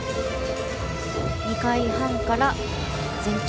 ２回半から前宙。